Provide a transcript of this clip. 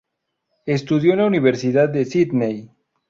Estudió en la Universidad de Sídney.